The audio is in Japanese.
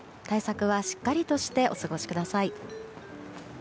対策はしっかりとしてお過ごしください。